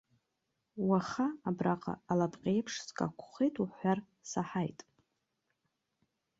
Уаха абраҟа алапҟьеиԥш скақәхеит уҳәар саҳаит.